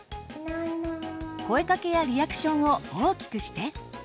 声かけやリアクションを大きくして。